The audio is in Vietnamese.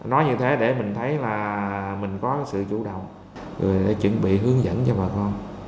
nói như thế để mình thấy là mình có sự chủ động rồi chuẩn bị hướng dẫn cho bà con